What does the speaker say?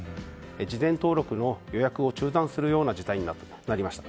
事前登録の予約を中断する事態になりました。